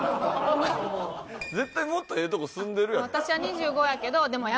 絶対もっとええとこ住んでるやろ？